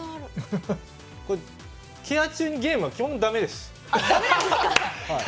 ケア中にゲームは、基本だめです。